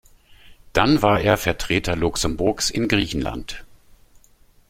Dann war er Vertreter Luxemburgs in Griechenland.